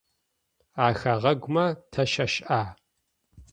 А хэгъэгумэ тащашӏа?